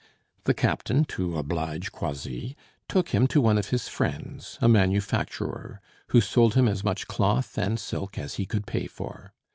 The captain, to oblige Croisilles, took him to one of his friends, a manufacturer, who sold him as much cloth and silk as he could pay for.